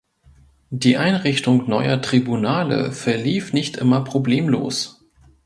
Die Einrichtung neuer Tribunale verlief nicht immer problemlos.